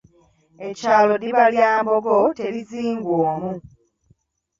Ekyalo ddiba lya mbogo terizingwa omu.